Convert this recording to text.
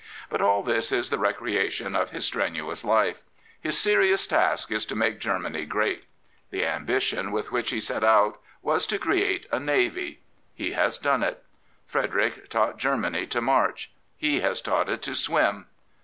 But all this is the recreation of his strenuous life. His serious task is to make Germany great. The 67 Prophets, Priests, and Kings ambition with which he set out was to create a Navy. He has done it. F|;ederick taught Germany to march ; he has taught it to swim.